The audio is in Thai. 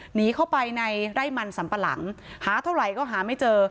หนีเข้าไปในไร่มันสัมปะหลังหาเท่าไหร่ก็หาไม่เจอ